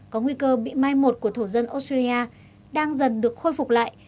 có nguy cơ bị mai một của thổ dân australia đang dần được khôi phục lại